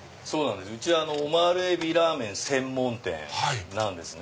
うちオマール海老ラーメン専門店なんですね。